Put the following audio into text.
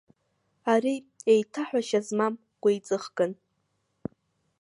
Ари еиҭаҳәашьа змам гәеиҵыхган.